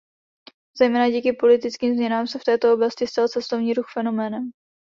Zejména díky politickým změnám se v této oblasti stal cestovní ruch fenoménem.